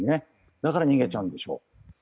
だから逃げちゃうんでしょう。